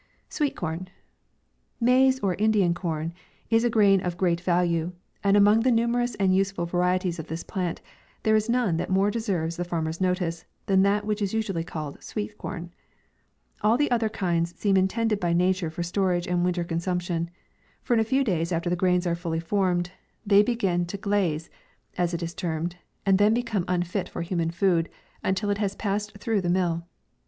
SWEET CORN. Maize or Indian corn is a grain of great value, and among the numerous and useful varieties of this plant, there is none that more deserves the farmer's notice than that which is usually called sweet corn. All the other kinds seem intended by nature for storage and winter consumption ; for in a few days after the grains are fully formed, they begin 12 102 MAY, to glaze, as it is termed, and then become unfit for human food, until it has passed through the mill.